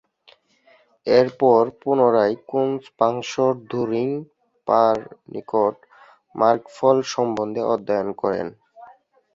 এরপর পুনরায় কুন-স্পাংস-র্দো-রিং-পার নিকট মার্গফল সম্বন্ধে অধ্যয়ন করেন।